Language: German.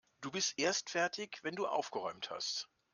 Du bist erst fertig, wenn du aufgeräumt hast.